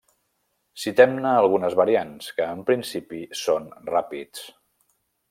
Citem-ne algunes variants, que en principi són ràpids.